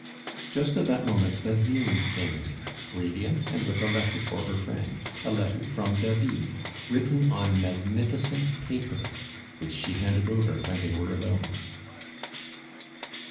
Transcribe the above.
Just at that moment Basine came in radiant, and with a letter for her friend, a letter from David written on magnificent paper, which she handed over when they were alone.